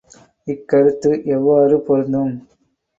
இக் கருத்து எவ்வாறு பொருந்தும்?